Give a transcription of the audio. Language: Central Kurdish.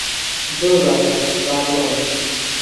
زۆر باشە، با بڕۆین.